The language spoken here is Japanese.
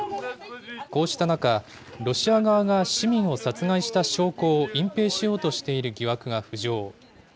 こうした中、ロシア側が市民を殺害した証拠を隠ぺいしようとしている疑惑が浮上。